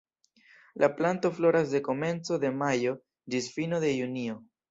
La planto floras de komenco de majo ĝis fino de junio.